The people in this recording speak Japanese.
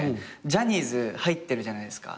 ジャニーズ入ってるじゃないですか。